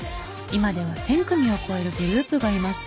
今では１０００組を超えるグループがいます。